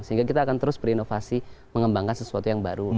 sehingga kita akan terus berinovasi mengembangkan sesuatu yang baru